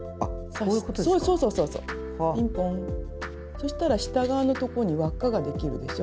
そしたら下側のとこに輪っかができるでしょ。